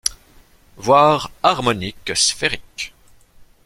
Voir harmonique sphérique.